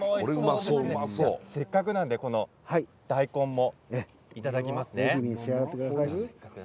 せっかくなので大根もいただきますね。